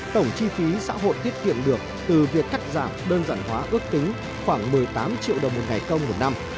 tổng chi phí xã hội tiết kiệm được từ việc cắt giảm đơn giản hóa ước tính khoảng một mươi tám triệu đồng một ngày công một năm